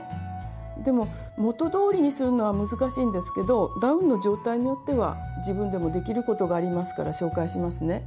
でも元どおりにするのは難しいですけどダウンの状態によっては自分でもできることがありますから紹介しますね。